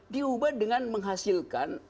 diubah dengan menghasilkan